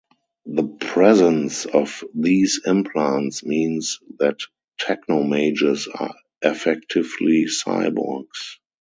The presence of these implants means that technomages are effectively cyborgs.